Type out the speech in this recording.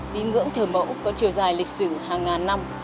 tín ngưỡng thờ mẫu có chiều dài lịch sử hàng ngàn năm